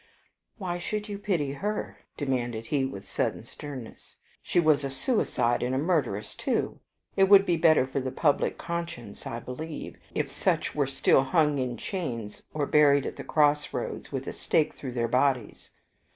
"Why should you pity her?" demanded he with sudden sternness; "she WAS a suicide and a murderess too. It would be better for the public conscience, I believe, if such were still hung in chains, or buried at the cross roads with a stake through their bodies."